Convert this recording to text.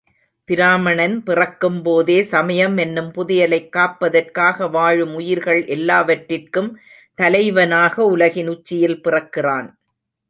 பிராமணன் பிறக்கும்போதே சமயம் எனும் புதையலைக் காப்பதற்காக வாழும் உயிர்கள் எல்லாவற்றிற்கும் தலைவனாக உலகின் உச்சியில் பிறக்கிறான்.